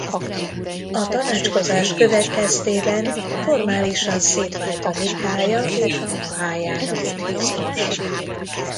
A tanácskozás következtében formálisan szétvált a nikája és a mahájána buddhizmus.